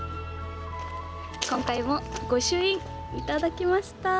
今回も御朱印いただきました。